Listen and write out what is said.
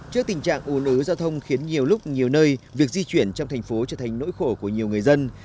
trước tình trạng ồn ứ giao thông khiến nhiều lúc nhiều nơi việc di chuyển trong thành phố trở thành nỗi khổ của nhiều người dân